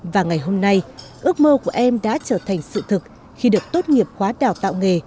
và ngày hôm nay ước mơ của em đã trở thành sự thực khi được tốt nghiệp khóa đào tạo nghề